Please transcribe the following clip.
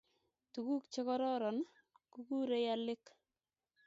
Tuguk Che kororon kukurei alik